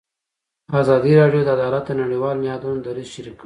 ازادي راډیو د عدالت د نړیوالو نهادونو دریځ شریک کړی.